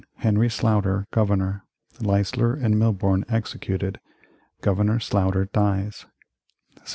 Henry Sloughter Governor Leisler and Milborne executed Governor Sloughter dies 1692.